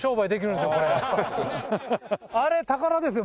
あれ宝ですよ